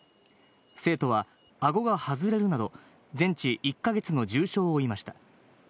生徒はあごが外れるなど、全治１か月の重傷を負いました。